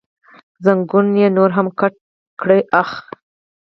زنګون یې نور هم کت کړ، اخ.